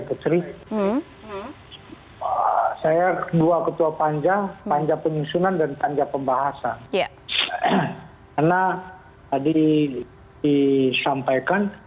putri saya kedua ketua panja panja penyusunan dan panja pembahasan karena tadi disampaikan